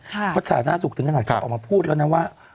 เพราะสาธารณสุขถึงขนาดที่ออกมาพูดแล้วนะว่า